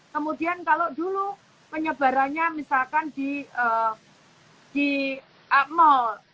kemudian kalau dulu penyebarannya misalkan di mal